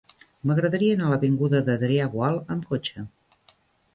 M'agradaria anar a l'avinguda d'Adrià Gual amb cotxe.